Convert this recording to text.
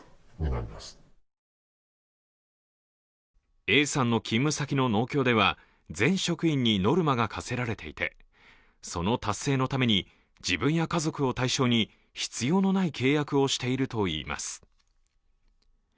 Ａさんの勤務先の農協では全社員にノルマが課せられていてその達成のために自分や家族を対象に必要のない契約をしているといいます。